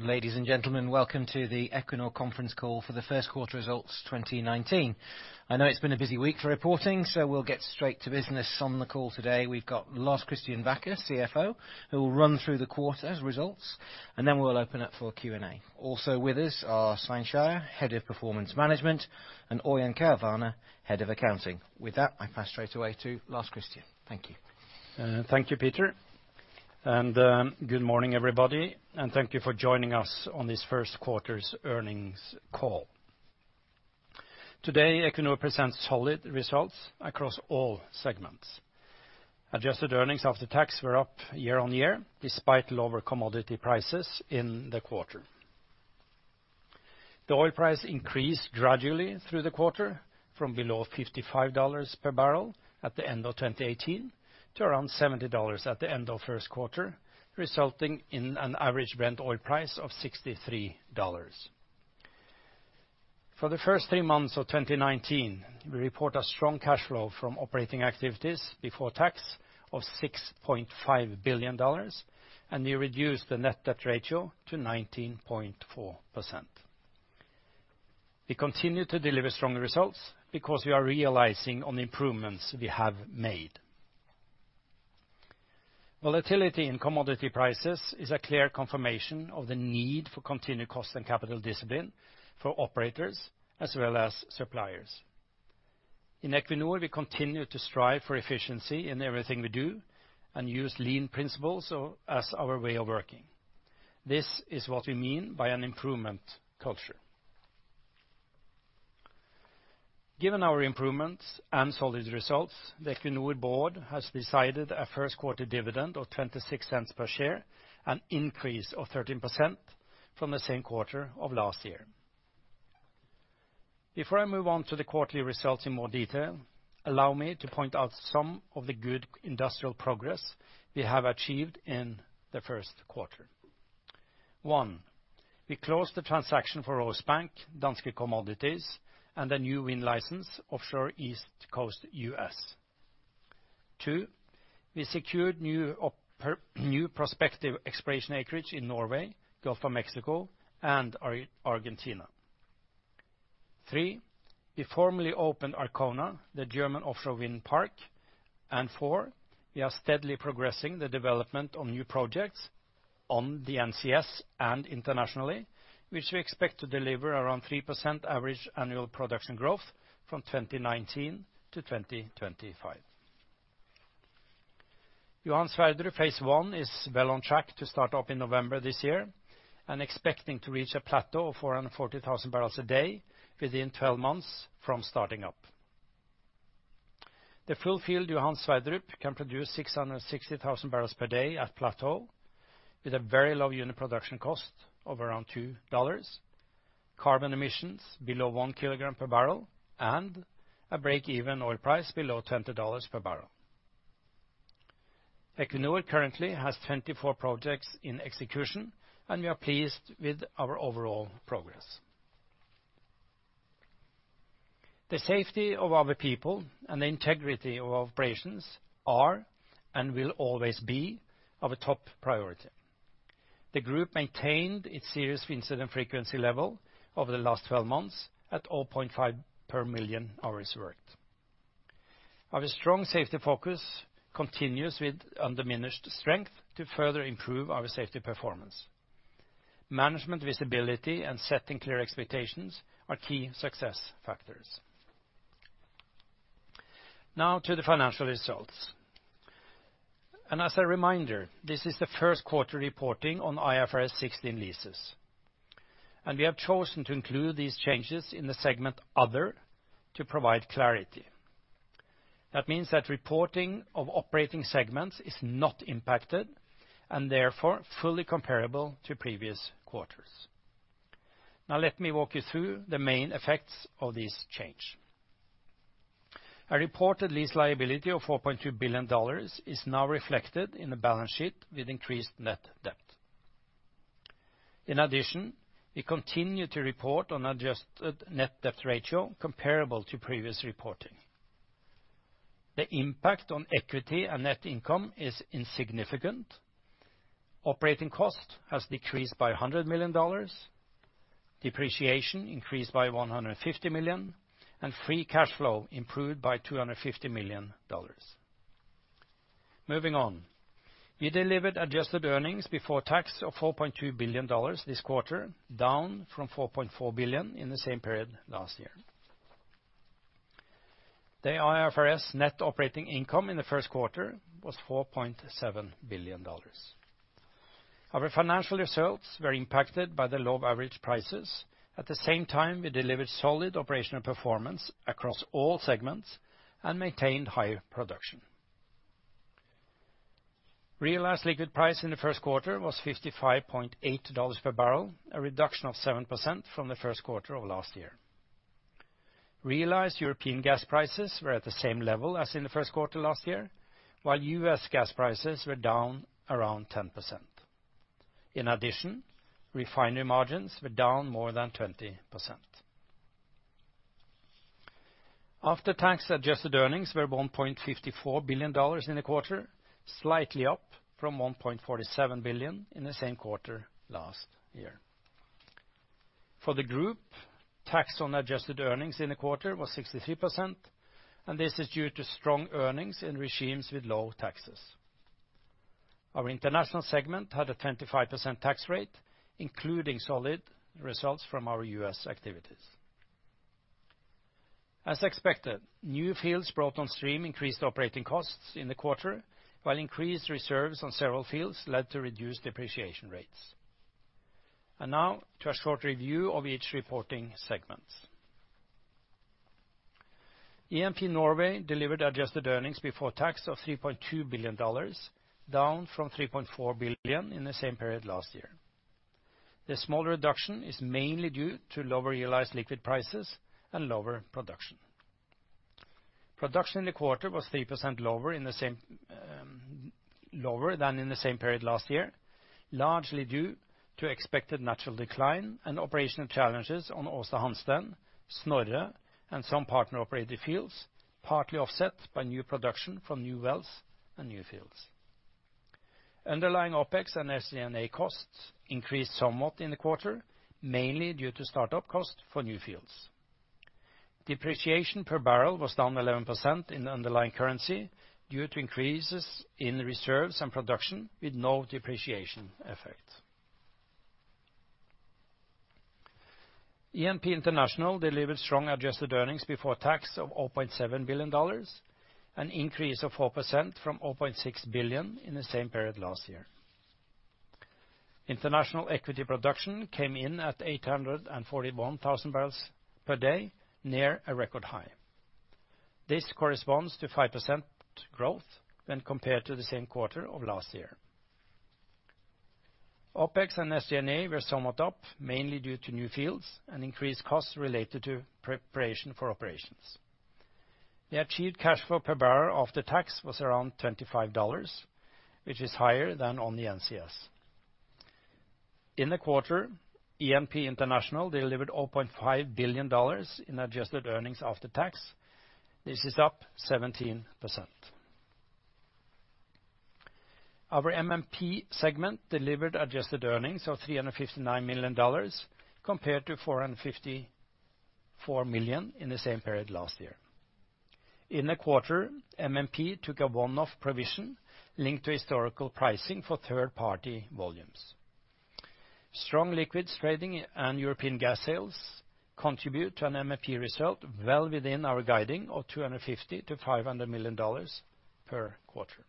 Ladies and gentlemen, welcome to the Equinor conference call for the first quarter results 2019. I know it's been a busy week for reporting, we'll get straight to business on the call today. We've got Lars Christian Bacher, CFO, who will run through the quarter's results, and then we'll open up for Q&A. Also with us are Svein Skeie, head of performance management, and Ørjan Kvelvane, head of accounting. With that, I pass straight away to Lars Christian. Thank you. Thank you, Peter. Good morning, everybody, and thank you for joining us on this first quarter's earnings call. Today, Equinor presents solid results across all segments. Adjusted earnings after tax were up year-over-year, despite lower commodity prices in the quarter. The oil price increased gradually through the quarter from below $55 per barrel at the end of 2018 to around $70 at the end of first quarter, resulting in an average Brent oil price of $63. For the first three months of 2019, we report a strong cash flow from operating activities before tax of $6.5 billion, and we reduced the net debt ratio to 19.4%. We continue to deliver strong results because we are realizing on the improvements we have made. Volatility in commodity prices is a clear confirmation of the need for continued cost and capital discipline for operators as well as suppliers. In Equinor, we continue to strive for efficiency in everything we do and use lean principles as our way of working. This is what we mean by an improvement culture. Given our improvements and solid results, the Equinor board has decided a first quarter dividend of $0.26 per share, an increase of 13% from the same quarter of last year. Before I move on to the quarterly results in more detail, allow me to point out some of the good industrial progress we have achieved in the first quarter. One, we closed the transaction for Rosebank, Danske Commodities, and a new wind license offshore East Coast U.S. Two, we secured new prospective exploration acreage in Norway, Gulf of Mexico, and Argentina. Three, we formally opened Arkona, the German offshore wind park. Four, we are steadily progressing the development on new projects on the NCS and internationally, which we expect to deliver around 3% average annual production growth from 2019 to 2025. Johan Sverdrup Phase One is well on track to start up in November this year and expecting to reach a plateau of 440,000 barrels a day within 12 months from starting up. The full field Johan Sverdrup can produce 660,000 barrels per day at plateau with a very low unit production cost of around $2, carbon emissions below one kilogram per barrel, and a break-even oil price below $20 per barrel. Equinor currently has 24 projects in execution, we are pleased with our overall progress. The safety of our people and the integrity of operations are and will always be our top priority. The group maintained its serious incident frequency level over the last 12 months at 0.5 per million hours worked. Our strong safety focus continues with undiminished strength to further improve our safety performance. Management visibility and setting clear expectations are key success factors. Now to the financial results. As a reminder, this is the first quarter reporting on IFRS 16 leases. We have chosen to include these changes in the segment Other to provide clarity. That means that reporting of operating segments is not impacted and therefore fully comparable to previous quarters. Now let me walk you through the main effects of this change. A reported lease liability of $4.2 billion is now reflected in the balance sheet with increased net debt. In addition, we continue to report on adjusted net debt ratio comparable to previous reporting. The impact on equity and net income is insignificant. Operating cost has decreased by $100 million. Depreciation increased by $150 million. Free cash flow improved by $250 million. Moving on. We delivered adjusted earnings before tax of $4.2 billion this quarter, down from $4.4 billion in the same period last year. The IFRS net operating income in the first quarter was $4.7 billion. Our financial results were impacted by the low average prices. At the same time, we delivered solid operational performance across all segments and maintained high production. Realized liquid price in the first quarter was $55.80 per barrel, a reduction of 7% from the first quarter of last year. Realized European gas prices were at the same level as in the first quarter last year, while U.S. gas prices were down around 10%. In addition, refinery margins were down more than 20%. After-tax-adjusted earnings were $1.54 billion in the quarter, slightly up from $1.47 billion in the same quarter last year. For the group, tax on adjusted earnings in the quarter was 63%. This is due to strong earnings in regimes with low taxes. Our International segment had a 25% tax rate, including solid results from our U.S. activities. As expected, new fields brought on stream increased operating costs in the quarter, while increased reserves on several fields led to reduced depreciation rates. Now to a short review of each reporting segment. E&P Norway delivered adjusted earnings before tax of $3.2 billion, down from $3.4 billion in the same period last year. The small reduction is mainly due to lower realized liquid prices and lower production. Production in the quarter was 3% lower than in the same period last year, largely due to expected natural decline and operational challenges on Aasta Hansteen, Snorre, and some partner-operated fields, partly offset by new production from new wells and new fields. Underlying OpEx and SDA costs increased somewhat in the quarter, mainly due to start-up costs for new fields. Depreciation per barrel was down 11% in underlying currency due to increases in reserves and production with no depreciation effect. E&P International delivered strong adjusted earnings before tax of $0.7 billion, an increase of 4% from $0.6 billion in the same period last year. International equity production came in at 841,000 barrels per day, near a record high. This corresponds to 5% growth when compared to the same quarter of last year. OpEx and SDA were somewhat up, mainly due to new fields and increased costs related to preparation for operations. The achieved cash flow per barrel after tax was around $25, which is higher than on the NCS. In the quarter, E&P International delivered $0.5 billion in adjusted earnings after tax. This is up 17%. Our MMP segment delivered adjusted earnings of $359 million, compared to $454 million in the same period last year. In the quarter, MMP took a one-off provision linked to historical pricing for third-party volumes. Strong liquids trading and European gas sales contribute to an MMP result well within our guiding of $250 million-$500 million per quarter.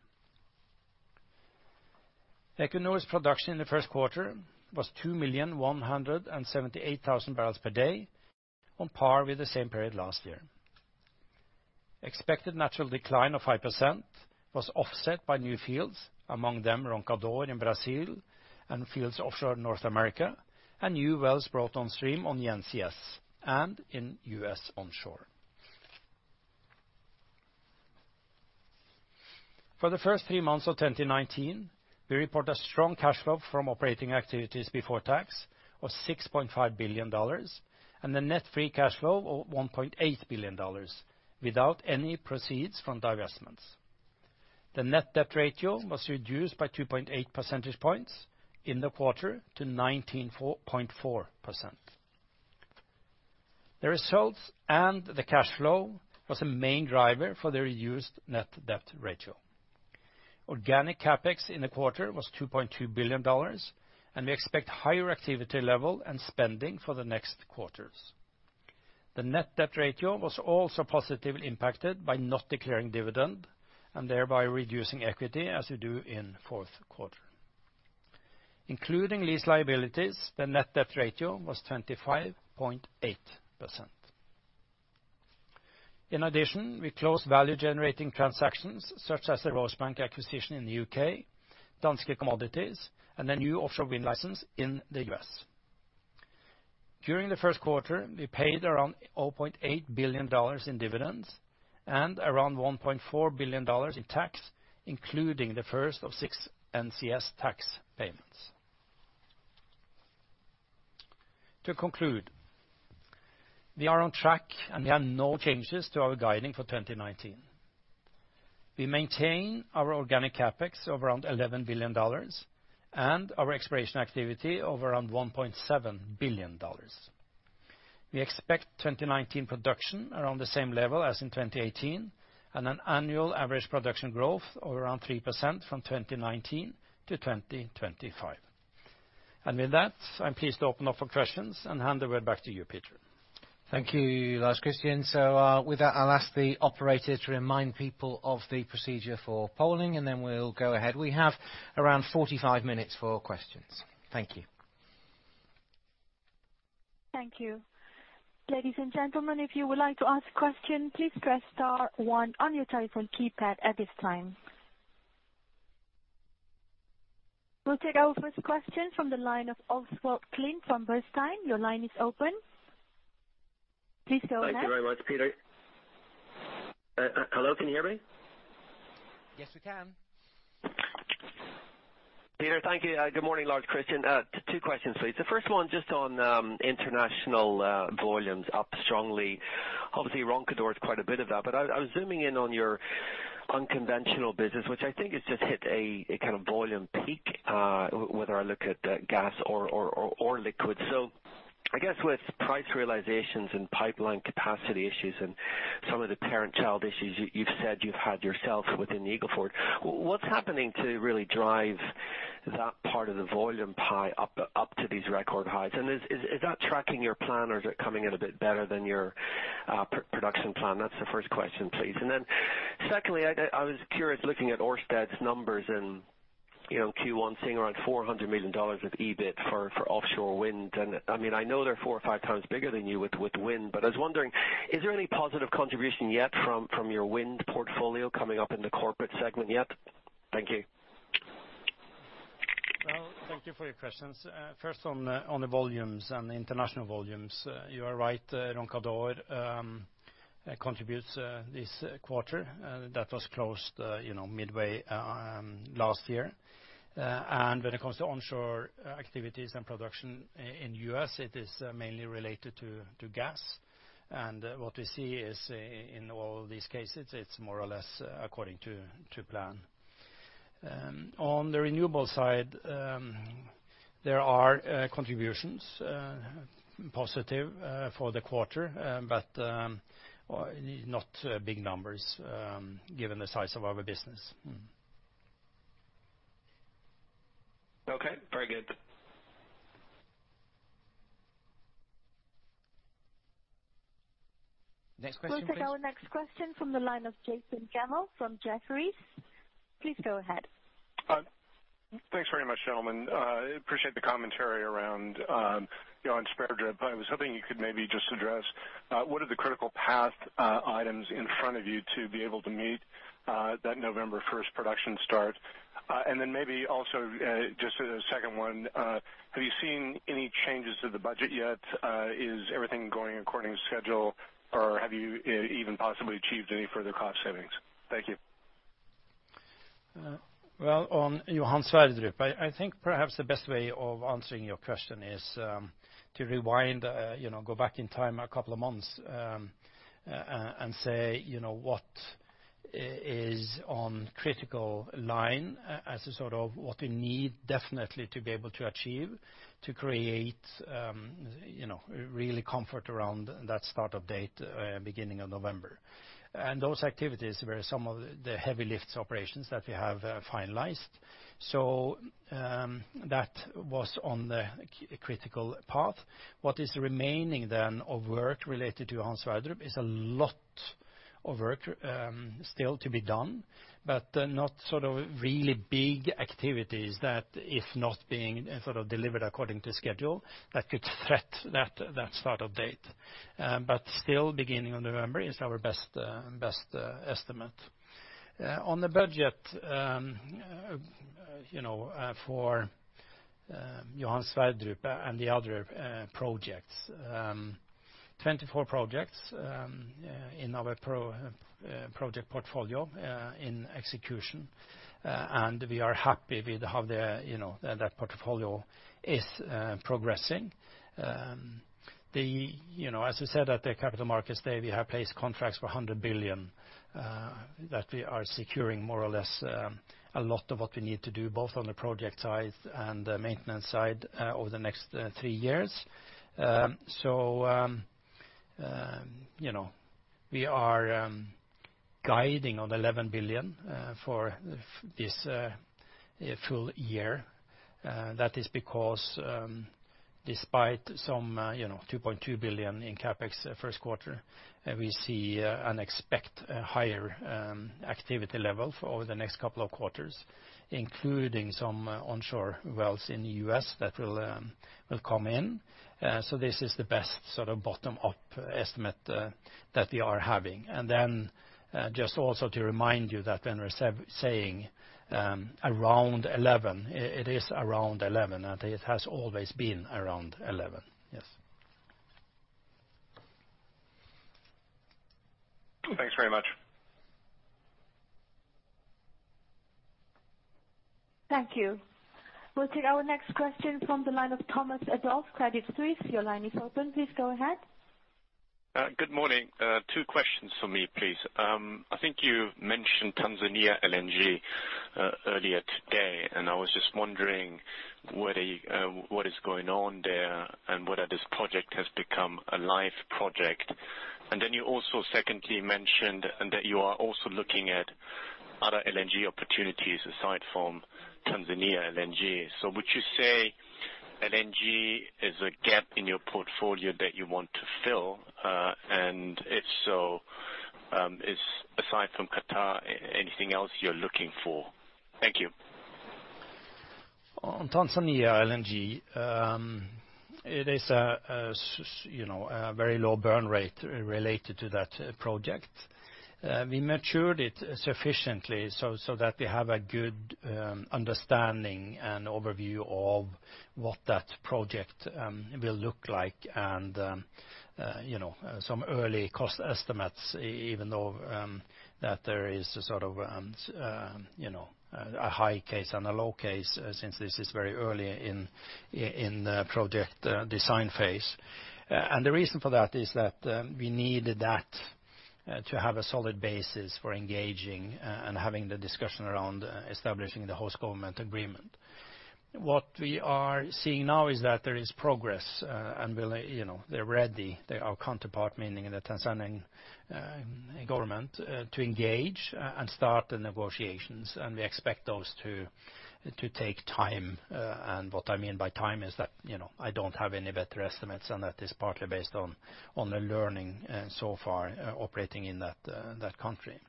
Equinor's production in the first quarter was 2,178,000 barrels per day, on par with the same period last year. Expected natural decline of 5% was offset by new fields, among them Roncador in Brazil and fields offshore North America, and new wells brought on stream on the NCS and in U.S. onshore. For the first three months of 2019, we report a strong cash flow from operating activities before tax of $6.5 billion and the net free cash flow of $1.8 billion without any proceeds from divestments. The net debt ratio was reduced by 2.8 percentage points in the quarter to 19.4%. The results and the cash flow was a main driver for the reduced net debt ratio. Organic CapEx in the quarter was $2.2 billion, and we expect higher activity level and spending for the next quarters. The net debt ratio was also positively impacted by not declaring dividend and thereby reducing equity as we do in fourth quarter. Including lease liabilities, the net debt ratio was 25.8%. In addition, we closed value-generating transactions such as the Rosebank acquisition in the U.K., Danske Commodities, and a new offshore wind license in the U.S. During the first quarter, we paid around $0.8 billion in dividends and around $1.4 billion in tax, including the first of six NCS tax payments. To conclude. We are on track, and we have no changes to our guiding for 2019. We maintain our organic CapEx of around $11 billion and our exploration activity of around $1.7 billion. We expect 2019 production around the same level as in 2018, and an annual average production growth of around 3% from 2019 to 2025. With that, I'm pleased to open up for questions and hand it right back to you, Peter. Thank you, Lars Christian. With that, I'll ask the operator to remind people of the procedure for polling, and then we'll go ahead. We have around 45 minutes for questions. Thank you. Thank you. Ladies and gentlemen, if you would like to ask question, please press star one on your telephone keypad at this time. We'll take our first question from the line of Oswald Clint from Bernstein. Your line is open. Please go ahead. Thank you very much, Peter. Hello, can you hear me? Yes, we can. Peter, thank you. Good morning, Lars Christian. Two questions, please. The first one just on international volumes up strongly. Obviously, Roncador is quite a bit of that, but I was zooming in on your unconventional business, which I think has just hit a kind of volume peak, whether I look at gas or liquids. I guess with price realizations and pipeline capacity issues and some of the parent-child issues you've said you've had yourself within Eagle Ford, what's happening to really drive that part of the volume pie up to these record highs? Is that tracking your plan or is it coming in a bit better than your production plan? That's the first question, please. Secondly, I was curious, looking at Ørsted's numbers in Q1, seeing around NOK 400 million of EBIT for offshore wind. I know they're four or five times bigger than you with wind, but I was wondering, is there any positive contribution yet from your wind portfolio coming up in the corporate segment yet? Thank you. Well, thank you for your questions. First, on the volumes and the international volumes. You are right, Roncador contributes this quarter. That was closed midway last year. When it comes to onshore activities and production in U.S., it is mainly related to gas. What we see is in all these cases, it's more or less according to plan. On the renewable side, there are contributions, positive for the quarter, but not big numbers given the size of our business. Okay, very good. Next question, please. We'll take our next question from the line of Jason Gammel from Jefferies. Please go ahead. Thanks very much, gentlemen. I appreciate the commentary around Johan Sverdrup. I was hoping you could maybe just address, what are the critical path items in front of you to be able to meet that November 1st production start? Then maybe also, just as a second one, have you seen any changes to the budget yet? Is everything going according to schedule, or have you even possibly achieved any further cost savings? Thank you. Well, on Johan Sverdrup, I think perhaps the best way of answering your question is to rewind, go back in time a couple of months and say what is on critical path as a sort of what we need definitely to be able to achieve, to create really comfort around that start-up date, beginning of November. Those activities were some of the heavy lifts operations that we have finalized. That was on the critical path. What is remaining then of work related to Johan Sverdrup is a lot of work still to be done, but not sort of really big activities that if not being sort of delivered according to schedule, that could threat that start of date. Still, beginning of November is our best estimate. On the budget for Johan Sverdrup and the other projects, 24 projects in our project portfolio in execution, and we are happy with how that portfolio is progressing. As we said at the Capital Markets Day, we have placed contracts for 100 billion that we are securing more or less a lot of what we need to do, both on the project side and the maintenance side over the next three years. We are guiding on $11 billion for this full year. That is because despite some 2.2 billion in CapEx first quarter, we see and expect a higher activity level over the next couple of quarters, including some onshore wells in the U.S. that will come in. This is the best sort of bottom-up estimate that we are having. Just also to remind you that when we're saying around 11, it is around 11, and it has always been around 11. Yes. Thanks very much. Thank you. We'll take our next question from the line of Thomas Adolff, Credit Suisse. Your line is open. Please go ahead. Good morning. Two questions from me, please. I think you mentioned Tanzania LNG earlier today. I was just wondering what is going on there and whether this project has become a live project. Then you also secondly mentioned that you are also looking at other LNG opportunities aside from Tanzania LNG. Would you say LNG is a gap in your portfolio that you want to fill? If so, aside from Qatar, anything else you're looking for? Thank you. On Tanzania LNG, it is a very low burn rate related to that project. We matured it sufficiently so that we have a good understanding and overview of what that project will look like and some early cost estimates, even though that there is a high case and a low case, since this is very early in the project design phase. The reason for that is that we needed that to have a solid basis for engaging and having the discussion around establishing the host government agreement. What we are seeing now is that there is progress and they are ready, our counterpart, meaning the Tanzanian government, to engage and start the negotiations. We expect those to take time. What I mean by time is that I do not have any better estimates, and that is partly based on the learning so far operating in that country.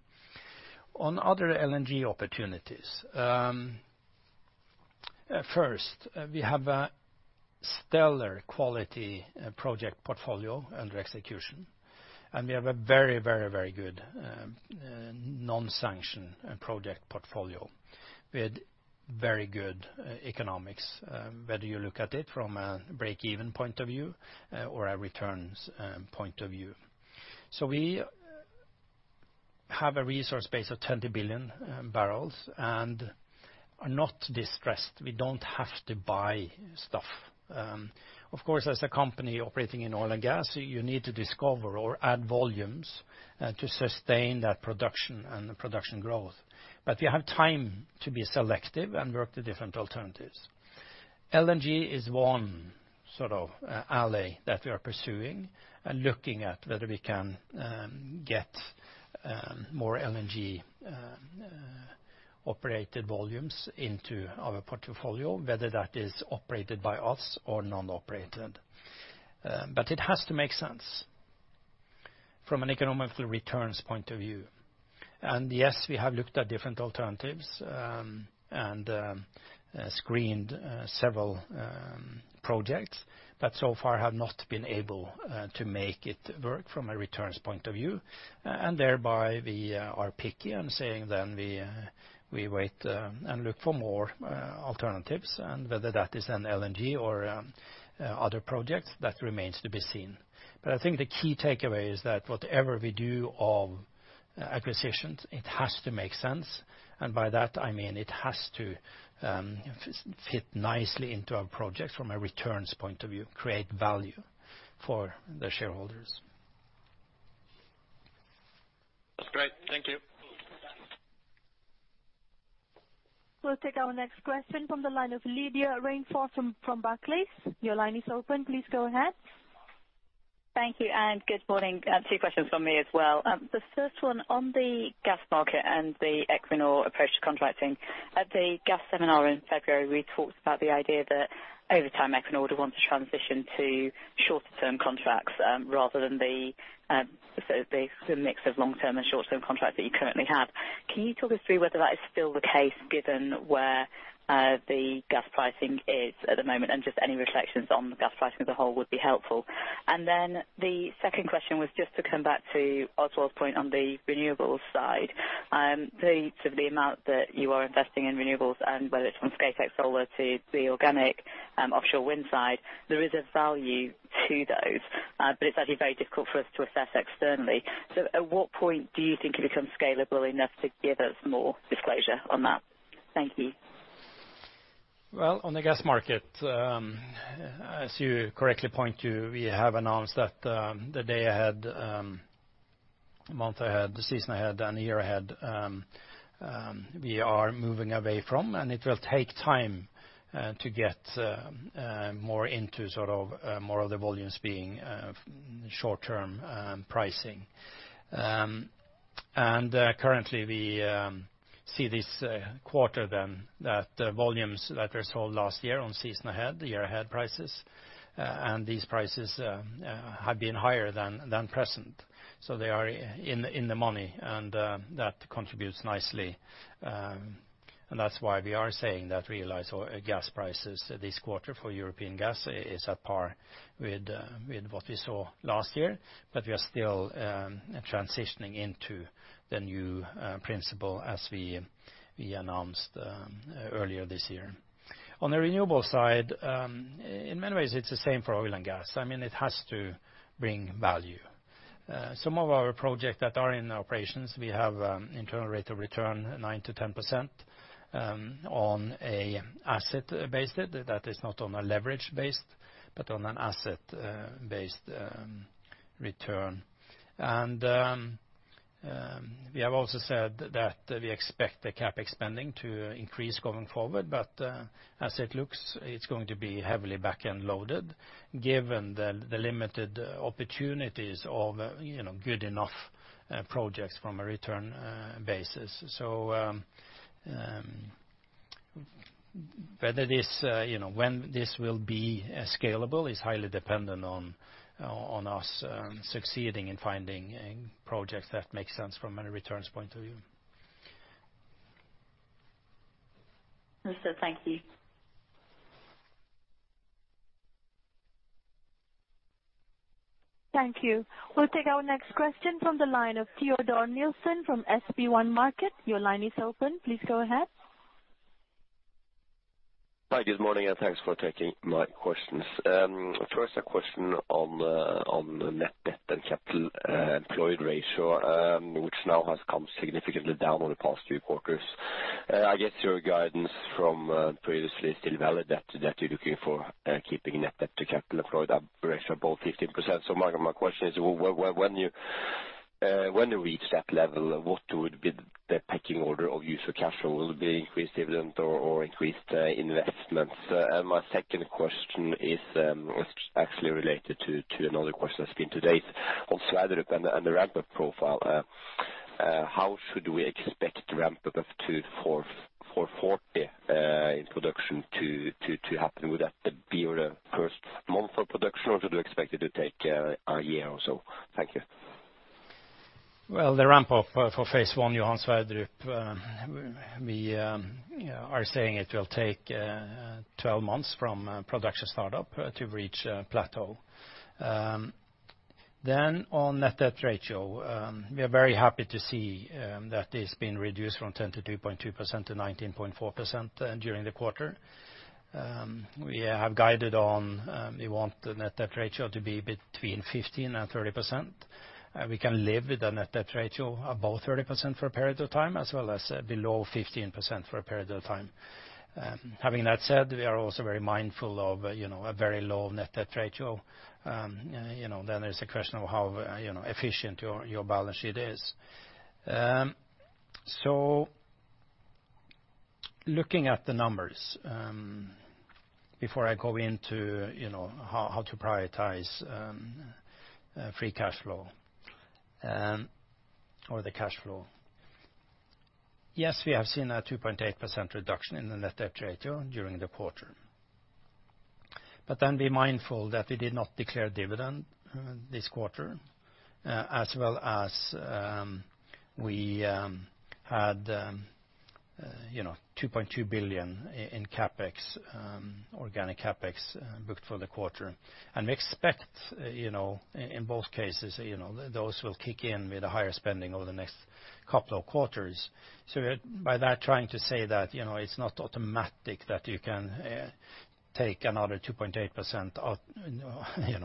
On other LNG opportunities. First, we have a stellar quality project portfolio under execution. We have a very good non-sanctioned project portfolio with very good economics, whether you look at it from a break-even point of view or a returns point of view. We have a resource base of 20 billion barrels and are not distressed. We do not have to buy stuff. Of course, as a company operating in oil and gas, you need to discover or add volumes to sustain that production and the production growth. We have time to be selective and work the different alternatives. LNG is one sort of alley that we are pursuing and looking at whether we can get more LNG operated volumes into our portfolio, whether that is operated by us or non-operated. It has to make sense from an economical returns point of view. Yes, we have looked at different alternatives and screened several projects that so far have not been able to make it work from a returns point of view. Thereby we are picky and saying then we wait and look for more alternatives and whether that is an LNG or other projects, that remains to be seen. I think the key takeaway is that whatever we do of acquisitions, it has to make sense. By that I mean it has to fit nicely into our projects from a returns point of view, create value for the shareholders. That is great. Thank you. We'll take our next question from the line of Lydia Rainforth from Barclays. Your line is open. Please go ahead. Thank you. Good morning. Two questions from me as well. The first one on the gas market and the Equinor approach to contracting. At the gas seminar in February, we talked about the idea that over time, Equinor would want to transition to shorter term contracts rather than the mix of long-term and short-term contracts that you currently have. Can you talk us through whether that is still the case, given where the gas pricing is at the moment and just any reflections on the gas pricing as a whole would be helpful. The second question was just to come back to Oswald's point on the renewables side. To the amount that you are investing in renewables and whether it's from Scatec Solar to the organic offshore wind side, there is a value to those, but it's actually very difficult for us to assess externally. At what point do you think it becomes scalable enough to give us more disclosure on that? Thank you. On the gas market, as you correctly point to, we have announced that the day ahead, month ahead, the season ahead and the year ahead, we are moving away from. It will take time to get more of the volumes being short-term pricing. Currently we see this quarter then that the volumes that were sold last year on season ahead, the year ahead prices, and these prices have been higher than present. They are in the money and that contributes nicely. That's why we are saying that realized gas prices this quarter for European gas is at par with what we saw last year. We are still transitioning into the new principle as we announced earlier this year. On the renewable side, in many ways it's the same for oil and gas. It has to bring value. Some of our projects that are in operations, we have internal rate of return 9%-10% on asset-based. That is not on a leverage-based, but on an asset-based return. We have also said that we expect the CapEx spending to increase going forward. As it looks, it is going to be heavily back-end loaded given the limited opportunities of good enough projects from a return basis. When this will be scalable is highly dependent on us succeeding in finding projects that make sense from a returns point of view. Lars, thank you. Thank you. We will take our next question from the line of Teodor Sveen-Nilsen from SB1 Markets. Your line is open. Please go ahead. Hi, good morning, and thanks for taking my questions. First a question on the net debt and capital employed ratio, which now has come significantly down over the past few quarters. I guess your guidance from previously is still valid, that you are looking for keeping net debt to capital employed ratio above 15%. My question is, when you reach that level, what would be the pecking order of use of cash flow? Will it be increased dividend or increased investments? My second question is actually related to another question that has been today on Sleipner and the ramp-up profile. How should we expect the ramp-up of 2-4-40 in production to happen? Would that be on the first month of production, or do you expect it to take a year or so? Thank you. Well, the ramp-up for phase 1, Johan Sverdrup, we are saying it will take 12 months from production startup to reach plateau. On net debt ratio, we are very happy to see that it's been reduced from 22.2% to 19.4% during the quarter. We have guided on we want the net debt ratio to be between 15% and 30%. We can live with a net debt ratio above 30% for a period of time, as well as below 15% for a period of time. Having that said, we are also very mindful of a very low net debt ratio. There's the question of how efficient your balance sheet is. Looking at the numbers, before I go into how to prioritize free cash flow or the cash flow. Yes, we have seen a 2.8% reduction in the net debt ratio during the quarter. Be mindful that we did not declare dividend this quarter, as well as we had 2.2 billion in organic CapEx booked for the quarter. We expect in both cases, those will kick in with a higher spending over the next couple of quarters. By that, trying to say that it's not automatic that you can take another 2.8% of the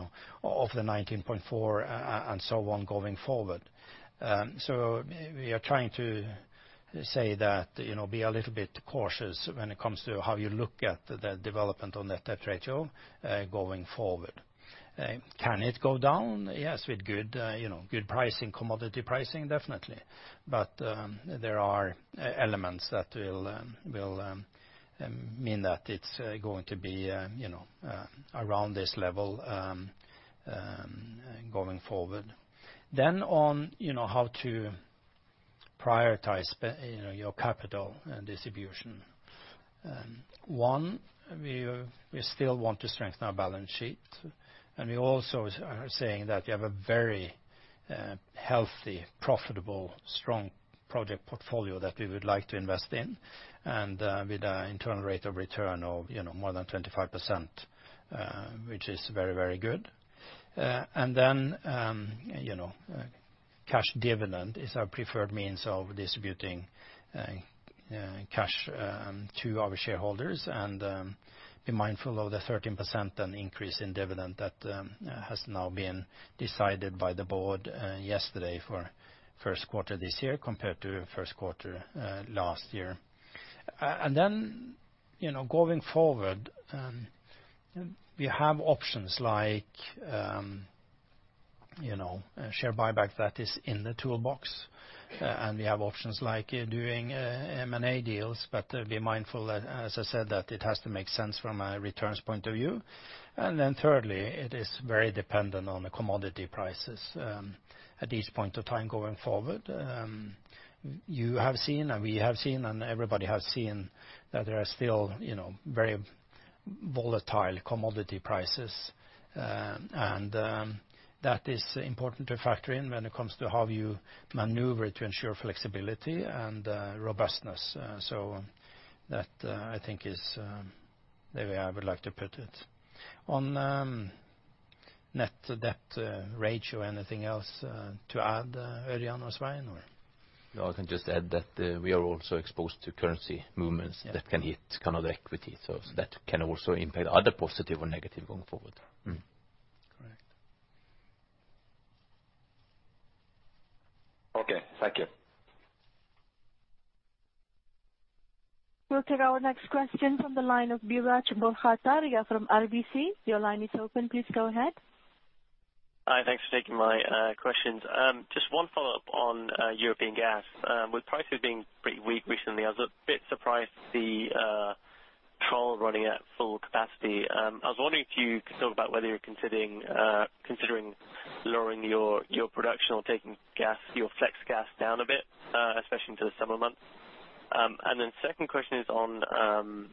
19.4% and so on going forward. We are trying to say that be a little bit cautious when it comes to how you look at the development on net debt ratio going forward. Can it go down? Yes, with good commodity pricing, definitely. There are elements that will mean that it's going to be around this level going forward. On how to prioritize your capital distribution. One, we still want to strengthen our balance sheet. We also are saying that we have a very healthy, profitable, strong project portfolio that we would like to invest in and with an internal rate of return of more than 25%, which is very, very good. Cash dividend is our preferred means of distributing cash to our shareholders and be mindful of the 13% increase in dividend that has now been decided by the board yesterday for first quarter this year compared to first quarter last year. Going forward, we have options like share buyback that is in the toolbox. We have options like doing M&A deals, but be mindful that as I said, that it has to make sense from a returns point of view. Thirdly, it is very dependent on the commodity prices at each point of time going forward. You have seen, and we have seen, and everybody has seen that there are still very volatile commodity prices. That is important to factor in when it comes to how you maneuver to ensure flexibility and robustness. That I think is the way I would like to put it. On net debt ratio, anything else to add, Ørjan or Svein, or? No, I can just add that we are also exposed to currency movements that can hit the equity. That can also impact either positive or negative going forward. Correct. Okay, thank you. We'll take our next question from the line of Biraj Borkhataria from RBC. Your line is open. Please go ahead. Hi, thanks for taking my questions. Just one follow-up on European gas. With prices being pretty weak recently, I was a bit surprised to see Troll running at full capacity. I was wondering if you could talk about whether you're considering lowering your production or taking your flex gas down a bit, especially into the summer months. Second question is on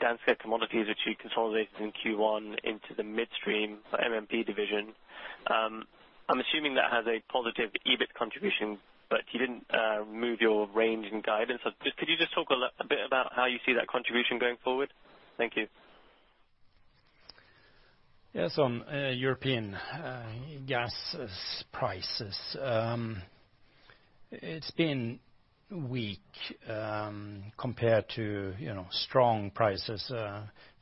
Danske Commodities, which you consolidated in Q1 into the midstream MMP division. I'm assuming that has a positive EBIT contribution, but you didn't move your range in guidance. Could you just talk a bit about how you see that contribution going forward? Thank you. Yes, on European gas prices. It's been weak, compared to strong prices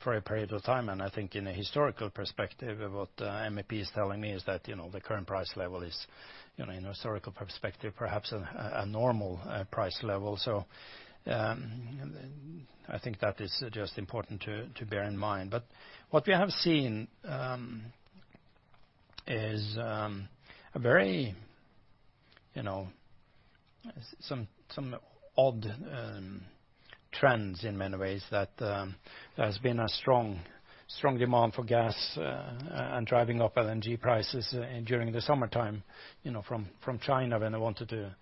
for a period of time. I think in a historical perspective, what MMP is telling me is that the current price level is, in a historical perspective, perhaps a normal price level. I think that is just important to bear in mind. What we have seen is some odd trends in many ways. That there has been a strong demand for gas and driving up LNG prices during the summertime from China, when they wanted to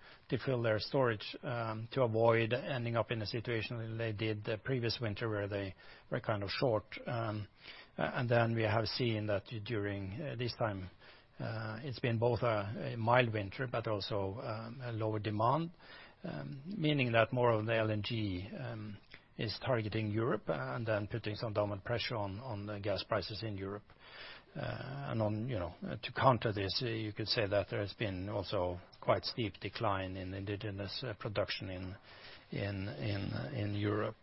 fill their storage to avoid ending up in a situation like they did the previous winter, where they were kind of short. We have seen that during this time, it's been both a mild winter but also a lower demand, meaning that more of the LNG is targeting Europe and putting some downward pressure on the gas prices in Europe. To counter this, you could say that there has been also quite steep decline in indigenous production in Europe.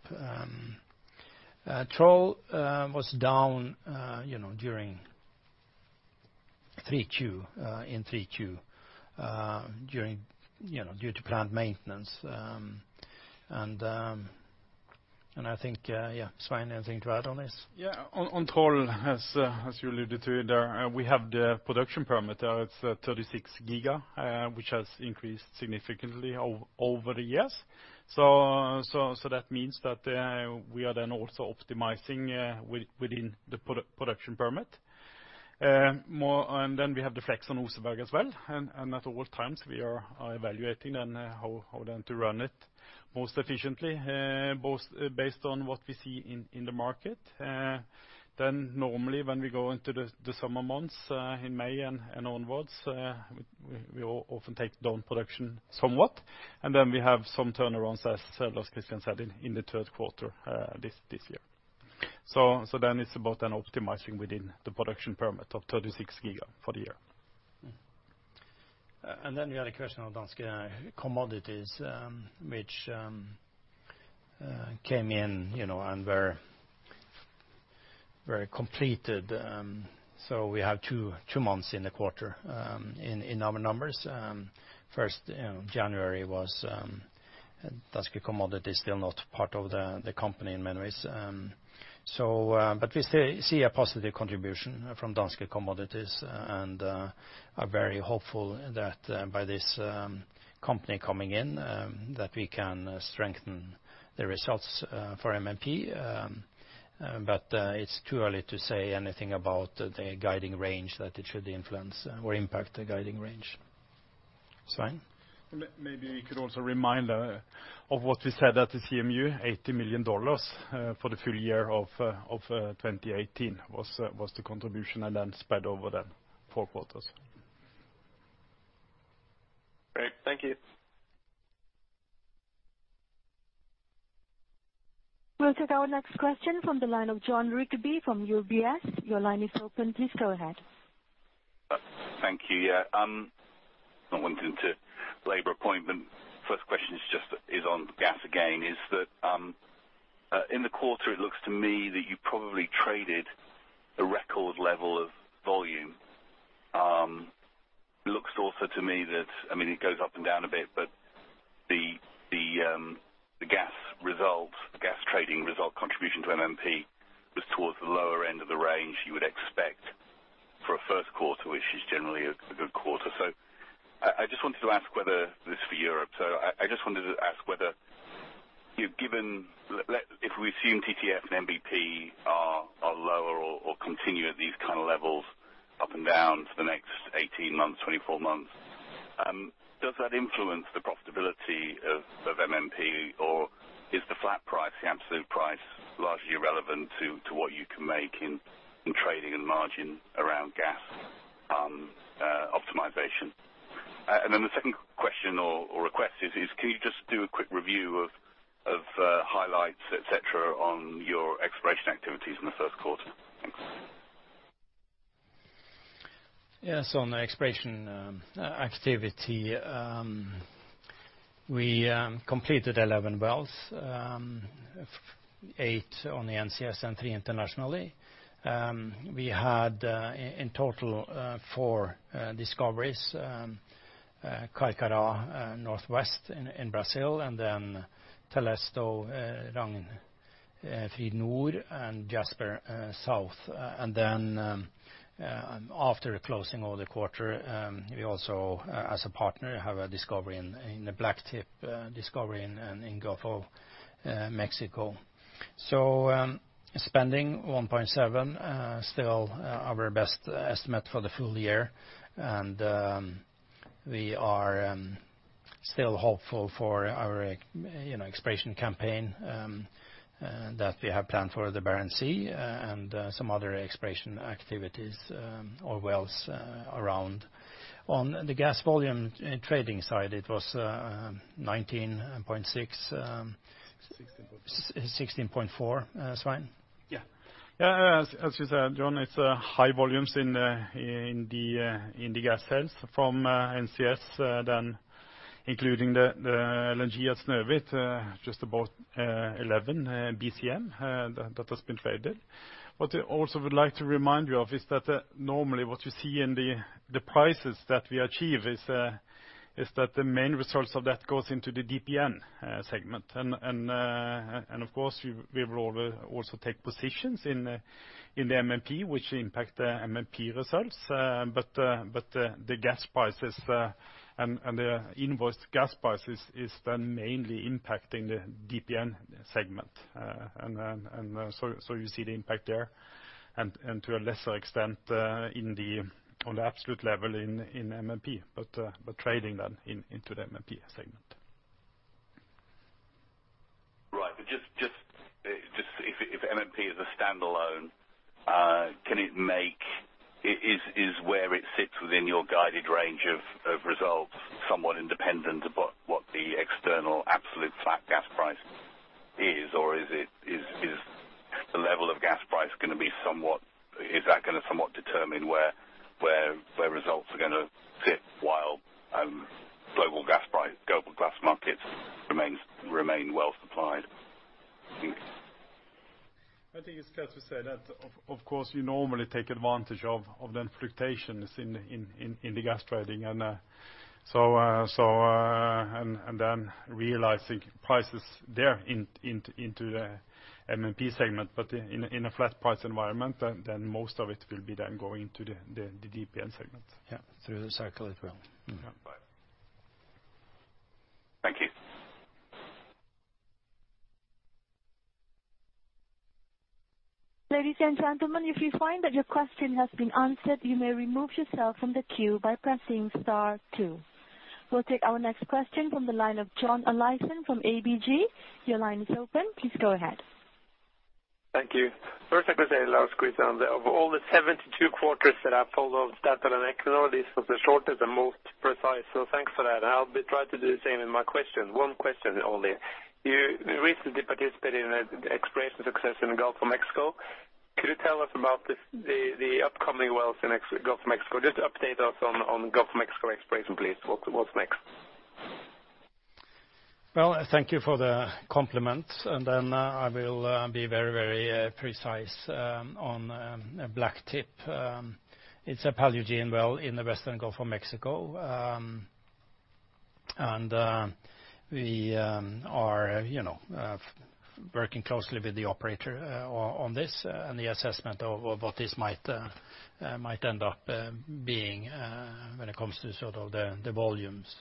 Troll was down in 3Q due to plant maintenance. I think, yeah, Svein, anything to add on this? Yeah. On Troll, as you alluded to it there, we have the production parameter. It's 36 giga, which has increased significantly over the years. That means that we are then also optimizing within the production permit. We have the flex on Oseberg as well, and at all times we are evaluating how then to run it most efficiently based on what we see in the market. Normally when we go into the summer months in May and onwards, we often take down production somewhat, and we have some turnarounds, as Lars Christian said, in the third quarter this year. It's about then optimizing within the production permit of 36 giga for the year. We had a question on Danske Commodities, which came in and were completed. We have two months in the quarter in our numbers. 1st January was Danske Commodities is still not part of the company in many ways. We see a positive contribution from Danske Commodities and are very hopeful that by this company coming in, that we can strengthen the results for MMP. It's too early to say anything about the guiding range that it should influence or impact the guiding range. Svein? Maybe we could also remind of what we said at the CMD, NOK 80 million for the full year of 2018 was the contribution and then spread over the four quarters. Great. Thank you. We'll take our next question from the line of Jon Rigby from UBS. Your line is open. Please go ahead. Thank you. Yeah. Not wanting to labor a point, but first question just is on gas again, is that in the quarter, it looks to me that you probably traded a record level of volume. Looks also to me that, it goes up and down a bit, but the gas trading result contribution to MMP was towards the lower end of the range you would expect for a first quarter, which is generally a good quarter. I just wanted to ask whether, this is for Europe, I just wanted to ask whether if we assume TTF and NBP are lower or continue at these kind of levels up and down for the next 18 months, 24 months, does that influence the profitability of MMP? Or is the flat price, the absolute price, largely irrelevant to what you can make in trading and margin around gas optimization? The second question or request is, can you just do a quick review of highlights, et cetera, on your exploration activities in the first quarter? Yes, on the exploration activity, we completed 11 wells, eight on the NCS and three internationally. We had in total four discoveries, Carcará Northwest in Brazil, Telesto, Ragnfrid North, and Jasper South. After closing all the quarter, we also as a partner have a discovery in the Blacktip Discovery in Gulf of Mexico. Spending, 1.7, still our best estimate for the full year. We are still hopeful for our exploration campaign that we have planned for the Barents Sea and some other exploration activities or wells around. On the gas volume trading side, it was 19.6. 16.4. 16.4, Svein? Yeah. As you said, Jon, it's high volumes in the gas sales from NCS than including the LNG at Snøhvit, just about 11 BCM that has been traded. What I also would like to remind you of is that normally what you see in the prices that we achieve is that the main results of that goes into the DPN segment. Of course, we will also take positions in the MMP, which impact the MMP results. The gas prices and the invoiced gas prices is then mainly impacting the DPN segment. You see the impact there and to a lesser extent on the absolute level in MMP, but trading then into the MMP segment. Right. Is MMP a standalone, is where it sits within your guided range of results somewhat independent of what the external absolute flat gas price is? Is the level of gas price, is that going to somewhat determine where results are going to sit while global gas markets remain well-supplied? I think it's fair to say that, of course, you normally take advantage of the fluctuations in the gas trading. Realizing prices there into the MMP segment, but in a flat price environment, then most of it will be then going into the DPN segment. Yeah, through the cycle as well. Yeah. Thank you. Ladies and gentlemen, if you find that your question has been answered, you may remove yourself from the queue by pressing star 2. We'll take our next question from the line of John Olaisen from ABG. Your line is open. Please go ahead. Thank you. First I could say, Lars, of all the 72 quarters that I've followed Statoil and Equinor, this was the shortest and most precise, so thanks for that. I'll try to do the same in my question. One question only. You recently participated in an exploration success in the Gulf of Mexico. Could you tell us about the upcoming wells in Gulf of Mexico? Just update us on Gulf of Mexico exploration, please. What's next? Well, thank you for the compliment. Then I will be very precise on Blacktip. It's a Paleogene well in the Western Gulf of Mexico. We are working closely with the operator on this and the assessment of what this might end up being when it comes to the volumes.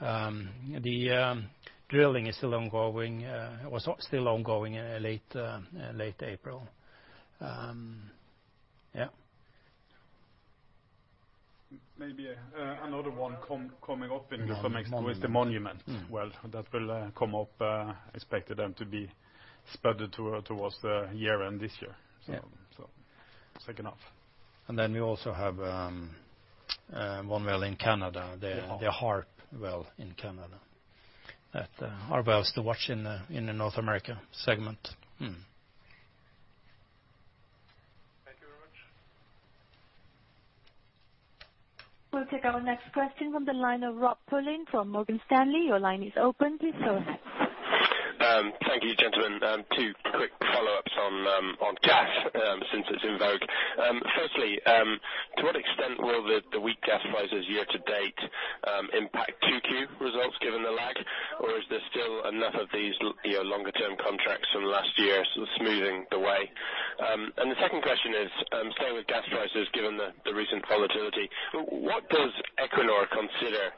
The drilling is still ongoing, or was still ongoing late April. Yeah. Maybe another one coming up in the Gulf of Mexico. Monument is the Monument well. That will come up, expected then to be spudded towards the year-end this year. Yeah. Second half. We also have one well in Canada- The Harp the Harp well in Canada. That our wells to watch in the North America segment. Thank you very much. We'll take our next question from the line of Robert Pulleyn from Morgan Stanley. Your line is open. Please go ahead. Thank you, gentlemen. Two quick follow-ups on gas since it's in vogue. Firstly, to what extent will the weak gas prices year-to-date impact 2Q results given the lag, or is there still enough of these longer-term contracts from last year sort of smoothing the way? The second question is, staying with gas prices given the recent volatility, what does Equinor consider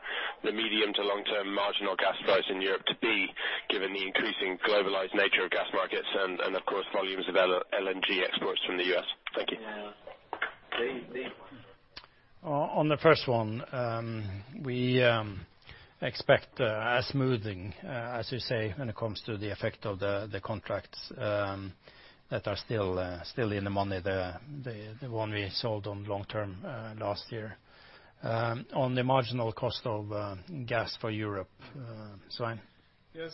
the medium to long-term marginal gas price in Europe to be given the increasing globalized nature of gas markets and of course, volumes of LNG exports from the U.S.? Thank you. On the first one, we expect a smoothing as you say, when it comes to the effect of the contracts that are still in the money, the one we sold on long-term last year. On the marginal cost of gas for Europe. Svein? Yes.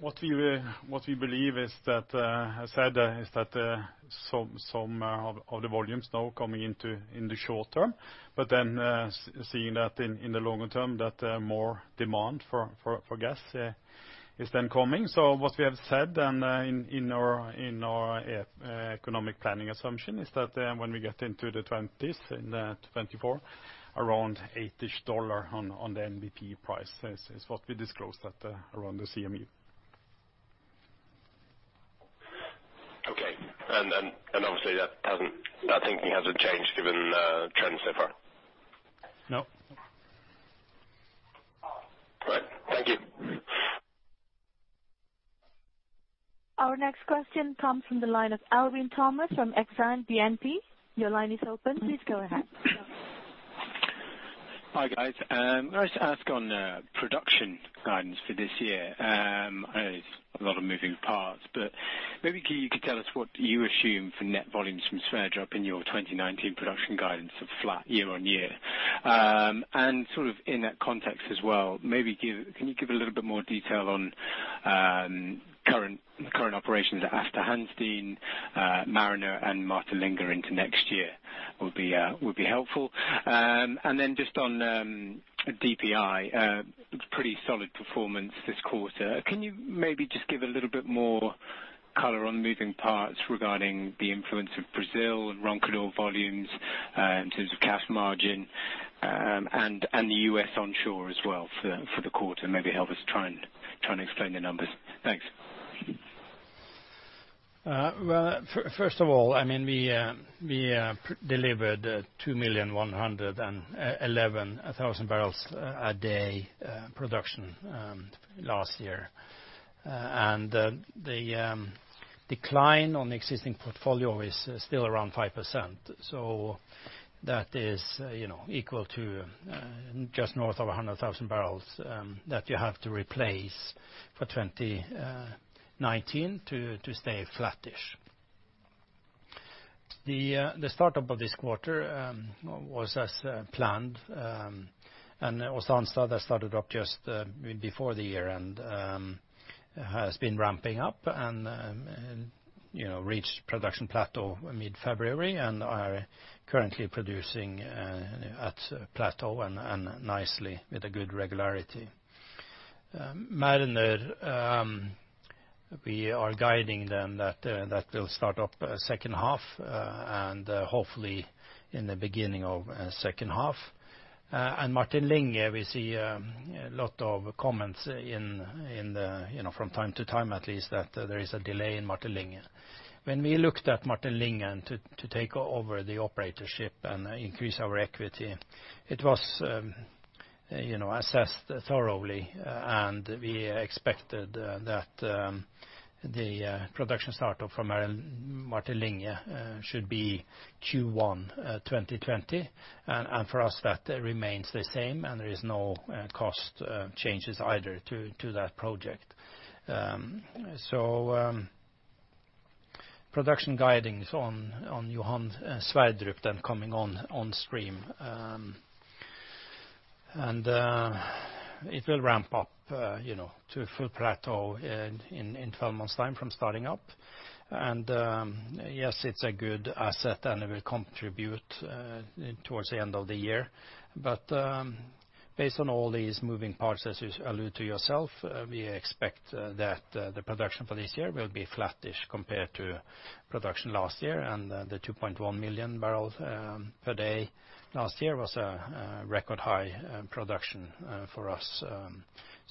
What we believe, as I said, is that some of the volumes now coming into in the short term, seeing that in the longer term that more demand for gas is then coming. What we have said in our economic planning assumption is that when we get into the 2020s, in 2024, around $8-ish on the NBP price is what we disclosed at around the CMD. Okay. Obviously that thinking hasn't changed given trends so far? No. Right. Thank you. Our next question comes from the line of Alwyn Thomas from Exane BNP. Your line is open. Please go ahead. Hi, guys. Can I just ask on production guidance for this year. I know there's a lot of moving parts, but maybe you could tell us what you assume for net volumes from Sleipner in your 2019 production guidance of flat year-on-year. Sort of in that context as well, can you give a little bit more detail on current operations at Aasta Hansteen, Mariner, and Martin Linge into next year would be helpful. Then just on DPI, pretty solid performance this quarter. Can you maybe just give a little bit more color on the moving parts regarding the influence of Brazil and Roncador volumes in terms of cash margin and the U.S. onshore as well for the quarter, maybe help us try and explain the numbers. Thanks. Well, first of all, we delivered 2,111,000 barrels a day production last year. The decline on the existing portfolio is still around 5%. That is equal to just north of 100,000 barrels that you have to replace for 2019 to stay flattish. The startup of this quarter was as planned, Ormen Lange started up just before the year and has been ramping up and reached production plateau mid-February and are currently producing at plateau and nicely with a good regularity. Mariner, we are guiding them that that will start up second half and hopefully in the beginning of second half. Martin Linge, we see a lot of comments from time to time at least that there is a delay in Martin Linge. When we looked at Martin Linge to take over the operatorship and increase our equity, it was assessed thoroughly. We expected that the production start-up from Martin Linge should be Q1 2020. For us, that remains the same and there is no cost changes either to that project. Production guiding is on Johan Sverdrup then coming on stream. It will ramp up to full plateau in 12 months' time from starting up. Yes, it's a good asset, and it will contribute towards the end of the year. Based on all these moving parts, as you allude to yourself, we expect that the production for this year will be flattish compared to production last year, and the 2.1 million barrels per day last year was a record-high production for us.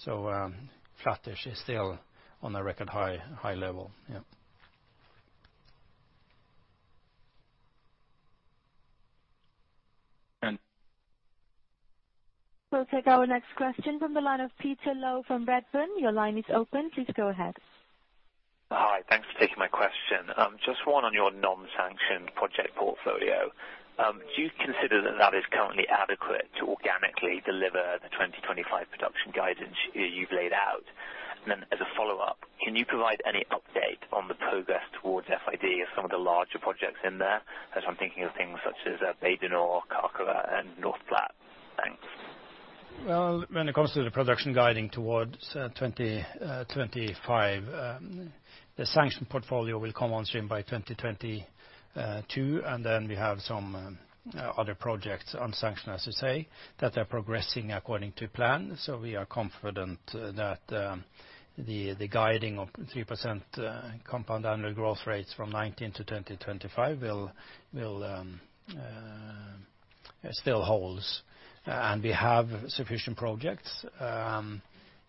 Flattish is still on a record high level, yeah. And- We'll take our next question from the line of Peter Low from Redburn. Your line is open. Please go ahead. Hi. Thanks for taking my question. Just one on your non-sanctioned project portfolio. Do you consider that that is currently adequate to organically deliver the 2025 production guidance you've laid out? Then as a follow-up, can you provide any update on the progress towards FID of some of the larger projects in there, as I'm thinking of things such as Bay du Nord, Carcará, and North Platte? Thanks. Well, when it comes to the production guiding towards 2025, the sanctioned portfolio will come on stream by 2022, and then we have some other projects, unsanctioned, as you say, that are progressing according to plan. We are confident that the guiding of 3% compound annual growth rates from 2019 to 2025 still holds. We have sufficient projects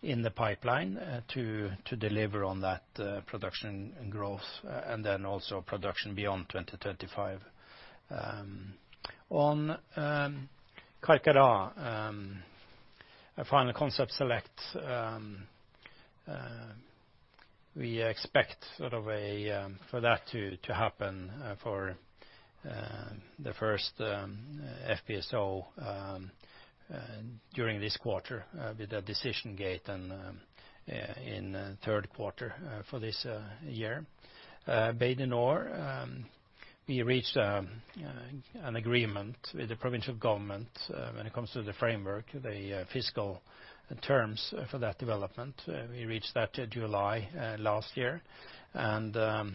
in the pipeline to deliver on that production growth and then also production beyond 2025. On Carcará, a final concept select, we expect for that to happen for the first FPSO during this quarter with a decision gate in the third quarter for this year. Bay du Nord, we reached an agreement with the provincial government when it comes to the framework, the fiscal terms for that development. We reached that July last year, and the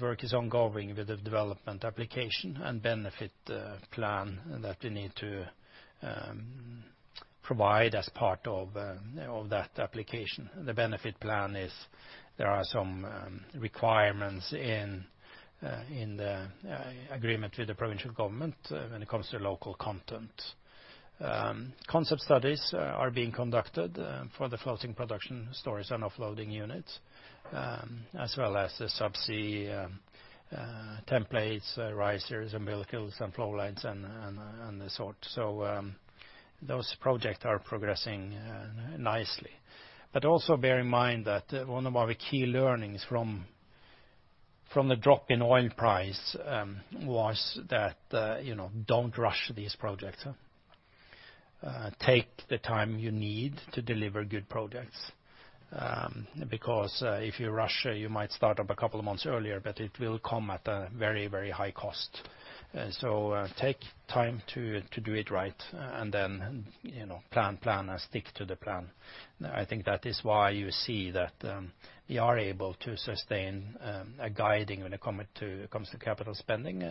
work is ongoing with the development application and benefit plan that we need to provide as part of that application. The benefit plan is there are some requirements in the agreement with the provincial government when it comes to local content. Concept studies are being conducted for the floating production storage and offloading units, as well as the sub-sea templates, risers, umbilicals and flow lines and the sort. Those projects are progressing nicely. Also bear in mind that one of our key learnings from the drop in oil price was don't rush these projects. Take the time you need to deliver good projects. If you rush, you might start up a couple of months earlier, but it will come at a very high cost. Take time to do it right, and then plan and stick to the plan. I think that is why you see that we are able to sustain a guiding when it comes to capital spending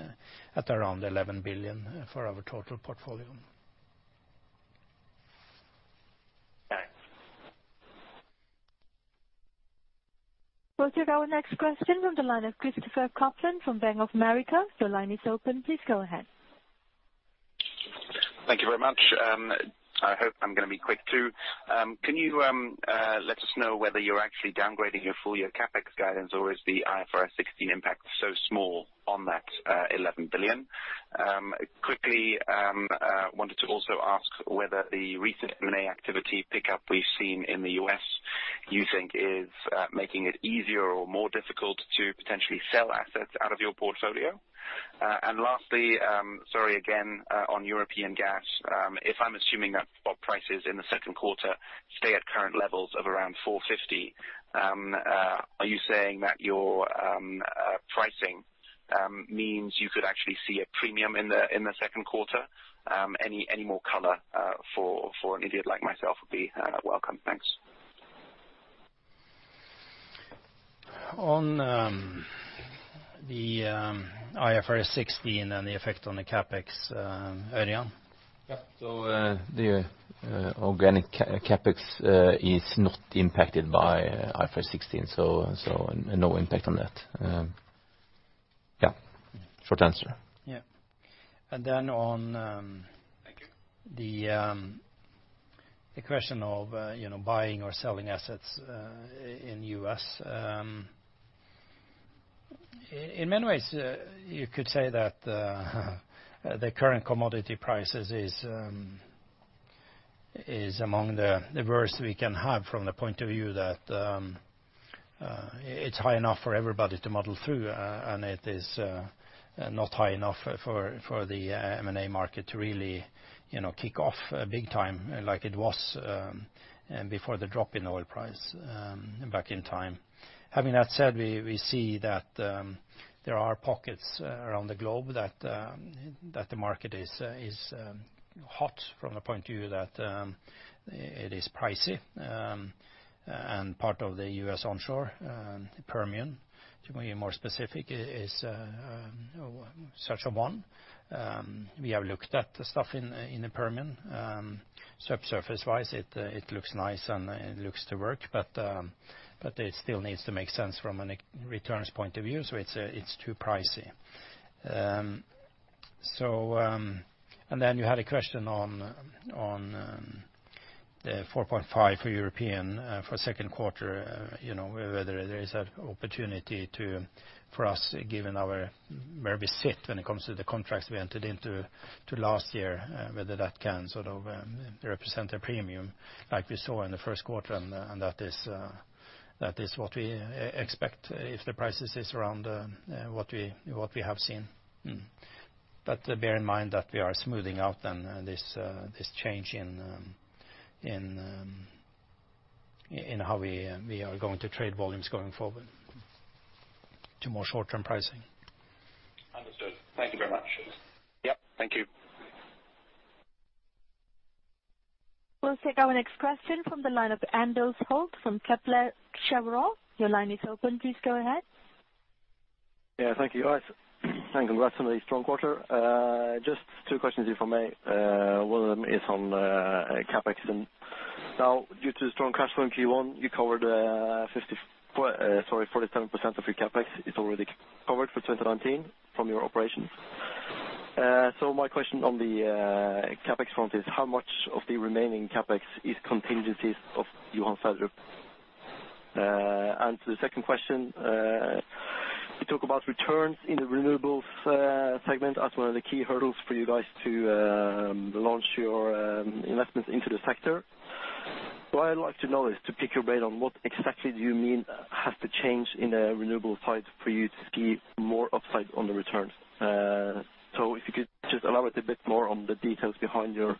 at around 11 billion for our total portfolio. Thanks. We'll take our next question from the line of Christopher Kuplent from Bank of America. Your line is open. Please go ahead. Thank you very much. I hope I'm going to be quick too. Can you let us know whether you're actually downgrading your full-year CapEx guidance or is the IFRS 16 impact so small on that 11 billion? Quickly, I wanted to also ask whether the recent M&A activity pickup we've seen in the U.S. you think is making it easier or more difficult to potentially sell assets out of your portfolio? Lastly, sorry again on European gas. If I'm assuming that spot prices in the second quarter stay at current levels of around 450, are you saying that your pricing means you could actually see a premium in the second quarter? Any more color for an idiot like myself would be welcome. Thanks. On the IFRS 16 and the effect on the CapEx, Ørjan. Yeah. The organic CapEx is not impacted by IFRS 16, so no impact on that. Yeah, short answer. Yeah. Thank you the question of buying or selling assets in the U.S. In many ways, you could say that the current commodity prices is among the worst we can have from the point of view that it's high enough for everybody to muddle through, and it is not high enough for the M&A market to really kick off big time like it was before the drop in oil price back in time. Having that said, we see that there are pockets around the globe that the market is hot from the point of view that it is pricey. Part of the U.S. onshore, the Permian, to be more specific, is such a one. We have looked at the stuff in the Permian. Subsurface-wise, it looks nice and it looks to work, but it still needs to make sense from a returns point of view. It's too pricey. You had a question on the 4.5 for european for second quarter, whether there is an opportunity for us, given where we sit when it comes to the contracts we entered into to last year, whether that can represent a premium like we saw in the first quarter. That is what we expect if the prices is around what we have seen. Bear in mind that we are smoothing out this change in how we are going to trade volumes going forward to more short-term pricing. Understood. Thank you very much. Yes. Thank you. We will take our next question from the line of Anders Holte from Kepler Cheuvreux. Your line is open. Please go ahead. Thank you, guys. Congrats on a strong quarter. Just two questions if I may. One of them is on CapEx. Now due to the strong cash flow in Q1, you covered 47% of your CapEx is already covered for 2019 from your operations. My question on the CapEx front is how much of the remaining CapEx is contingencies of Johan Sverdrup? The second question, you talk about returns in the renewables segment as one of the key hurdles for you guys to launch your investments into the sector. What I'd like to know is to pick your brain on what exactly do you mean has to change in the renewable side for you to see more upside on the returns? If you could just elaborate a bit more on the details behind your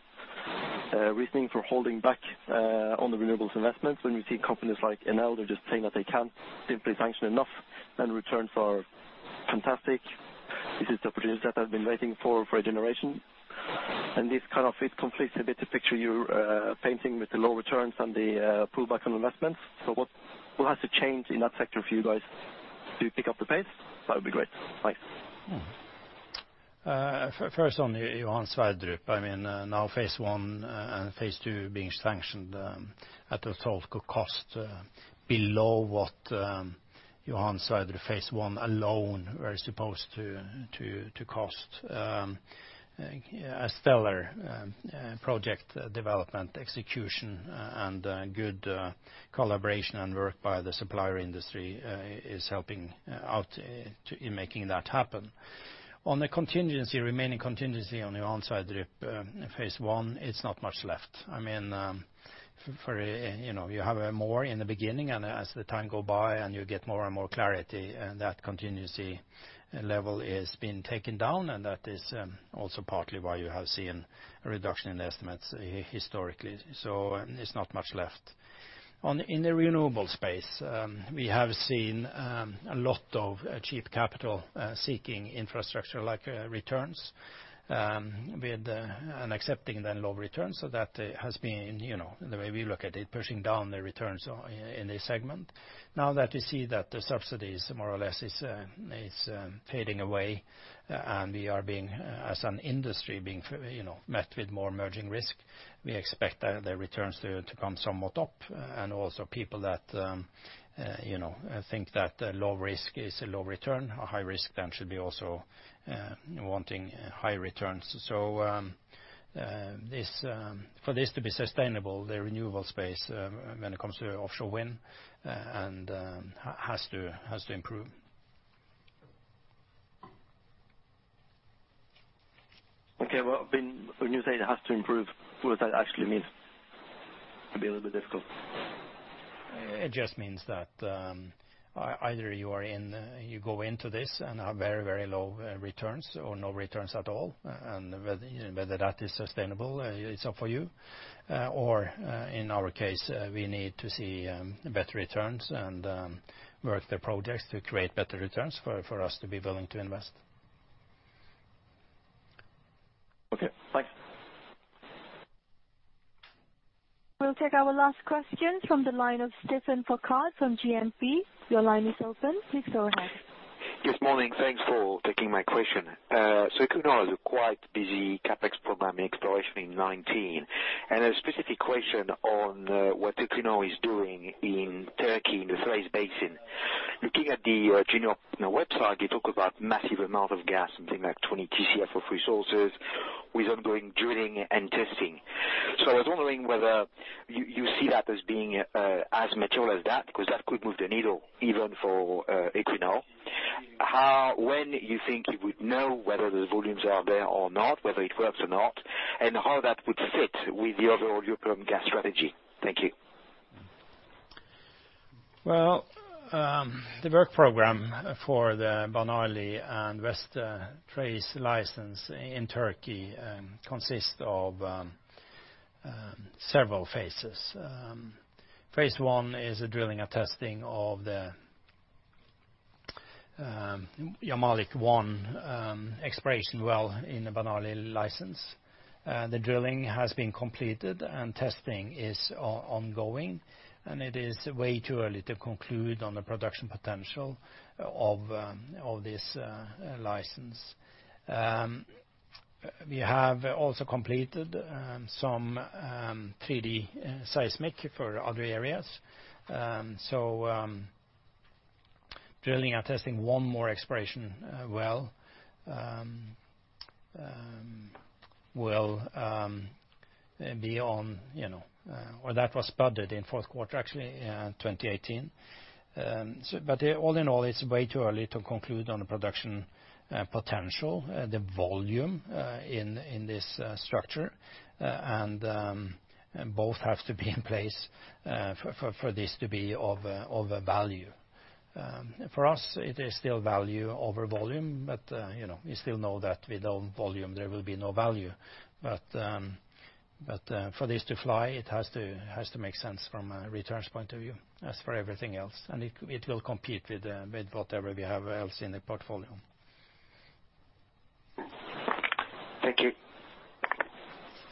reasoning for holding back on the renewables investments. When we see companies like Enel, they're just saying that they can't simply sanction enough, and returns are fantastic. This is the opportunity set I've been waiting for a generation. This kind of completes a bit the picture you're painting with the low returns and the pull back on investments. What has to change in that sector for you guys to pick up the pace? That would be great. Thanks. First on Johan Sverdrup, now phase 1 and phase 2 being sanctioned at a total cost below what Johan Sverdrup phase 1 alone was supposed to cost. A stellar project development execution and good collaboration and work by the supplier industry is helping out in making that happen. On the remaining contingency on Johan Sverdrup phase 1, it's not much left. You have more in the beginning, and as the time go by, and you get more and more clarity, that contingency level is being taken down, and that is also partly why you have seen a reduction in estimates historically. It's not much left. In the renewable space, we have seen a lot of cheap capital-seeking infrastructure-like returns, and accepting the low returns. That has been, the way we look at it, pushing down the returns in this segment. Now that we see that the subsidies more or less is fading away, and we are, as an industry, being met with more emerging risk, we expect the returns to come somewhat up. Also people that think that low risk is a low return, a high risk then should be also wanting high returns. For this to be sustainable, the renewable space, when it comes to offshore wind, has to improve. Okay. Well, when you say it has to improve, what does that actually mean? It'd be a little bit difficult. It just means that either you go into this and have very low returns or no returns at all, and whether that is sustainable, it's up for you. Or, in our case, we need to see better returns and work the projects to create better returns for us to be willing to invest. Okay, thanks. We'll take our last question from the line of Stephane Foucaud from GMP. Your line is open. Please go ahead. Yes, morning. Thanks for taking my question. Equinor has a quite busy CapEx program exploration in 2019. A specific question on what Equinor is doing in Turkey in the Thrace Basin. Looking at the Equinor website, you talk about massive amount of gas, something like 20 Tcf of resources with ongoing drilling and testing. I was wondering whether you see that as being as mature as that, because that could move the needle even for Equinor. When you think you would know whether the volumes are there or not, whether it works or not, and how that would fit with the overall European gas strategy? Thank you. Well, the work program for the Banarli and West Thrace license in Turkey consists of several phases. Phase 1 is drilling and testing of the Yamalik-1 exploration well in the Banarli license. The drilling has been completed, and testing is ongoing, and it is way too early to conclude on the production potential of this license. We have also completed some 3D seismic for other areas. Drilling and testing one more exploration well will be on, or that was budgeted in fourth quarter, actually, 2018. All in all, it is way too early to conclude on the production potential, the volume in this structure, and both have to be in place for this to be of value. For us, it is still value over volume, but we still know that without volume, there will be no value. For this to fly, it has to make sense from a returns point of view, as for everything else. It will compete with whatever we have else in the portfolio. Thank you.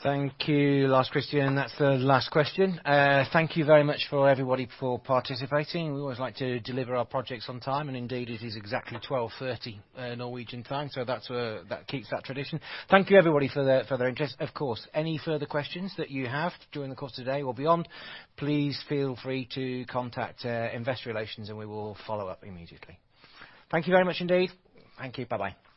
Thank you. Last question, and that's the last question. Thank you very much, everybody, for participating. We always like to deliver our projects on time, and indeed, it is exactly 12:30 Norwegian time, so that keeps that tradition. Thank you, everybody, for the interest. Of course, any further questions that you have during the course of today or beyond, please feel free to contact investor relations and we will follow up immediately. Thank you very much indeed. Thank you. Bye-bye. Thank you.